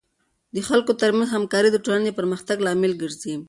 د خلکو ترمنځ همکاري د ټولنې د پرمختګ لامل ګرځي.